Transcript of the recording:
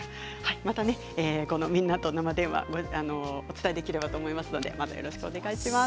またこの「みんなと生電話」お伝えできればと思いますのでよろしくお願いします。